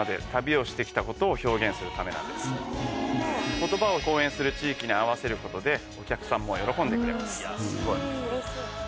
言葉を公演する地域に合わせることでお客さんも喜んでくれます。